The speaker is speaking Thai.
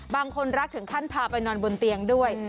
บางคนรักถึงขั้นพาไปนอนบนเตียงด้วย